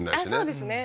そうですね